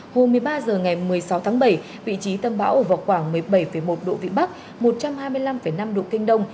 hồi một mươi ba h ngày một mươi sáu tháng bảy vị trí tâm bão ở vào khoảng một mươi bảy một độ vĩ bắc một trăm hai mươi năm năm độ kinh đông